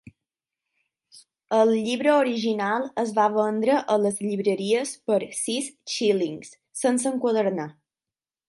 El llibre original es va vendre a les llibreries per sis xílings, sense enquadernar.